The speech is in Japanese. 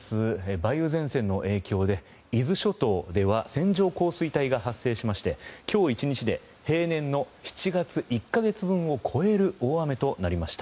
梅雨前線の影響で伊豆諸島では線状降水帯が発生しまして今日１日で平年の７月１か月分を超える大雨となりました。